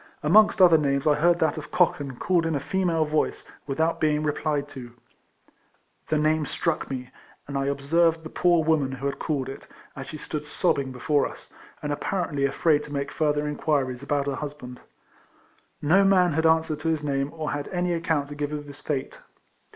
Amongst other names I heard that of Cochan called in a female voice, without being replied to. The name struck me, and I observed the poor woman who had called it, as she stood sobbing before us, and apparently afraid to make further inquiries about her husband. No man had answered to his name, or had any account to give of his fate.